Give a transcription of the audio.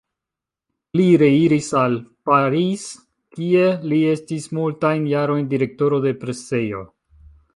Li reiris al Paris, kie li estis multajn jarojn direktoro de presejo.